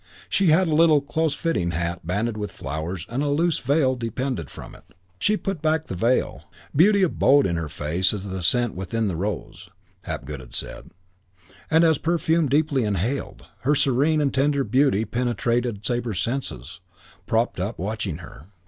She had a little closefitting hat banded with flowers and a loose veil depended from it. She put back the veil. Beauty abode in her face as the scent within the rose, Hapgood had said; and, as perfume deeply inhaled, her serene and tender beauty penetrated Sabre's senses, propped up, watching her.